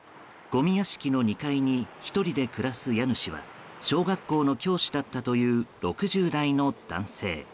ごみ屋敷の２階に１人で暮らす家主は小学校の教師だったという６０代の男性。